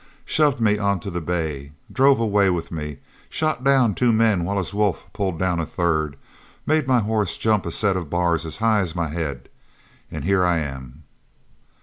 shoved me onto the bay drove away with me shot down two men while his wolf pulled down a third made my horse jump a set of bars as high as my head and here I am!"